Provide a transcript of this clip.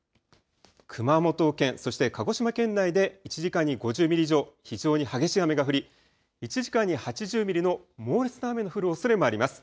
熊本県そして鹿児島県内で１時間に５０ミリ以上非常に激しい雨が降り１時間に８０ミリの猛烈な雨の降るおそれもあります。